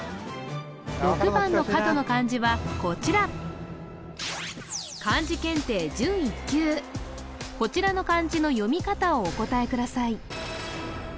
６番の角の漢字はこちらこちらの漢字の読み方をお答えください